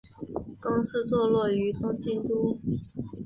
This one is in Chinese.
公司坐落于东京都。